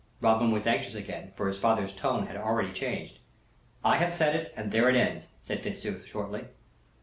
Robin was anxious again, for his father's tone had already changed. "I have said it; and there it ends," said Fitzooth, shortly.